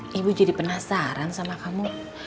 ibu jadi penasaran sama kamu